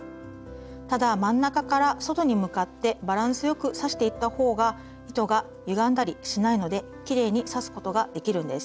ただ真ん中から外に向かってバランスよく刺していったほうが糸がゆがんだりしないのできれいに刺すことができるんです。